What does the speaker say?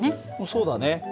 そうだね。